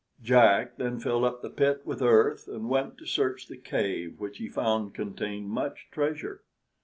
Jack then filled up the pit with earth, and went to search the cave, which he found contained much treasure.